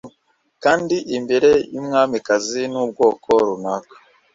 Kandi imbere yumwamikazi wubwoko runaka